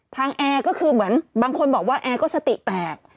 แอร์ก็คือเหมือนบางคนบอกว่าแอร์ก็สติแตก